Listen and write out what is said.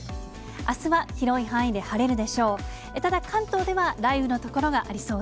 あすは広い範囲で晴れるでしょう。